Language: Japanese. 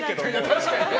確かにね。